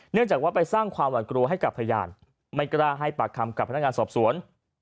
จากว่าไปสร้างความหวัดกลัวให้กับพยานไม่กล้าให้ปากคำกับพนักงานสอบสวน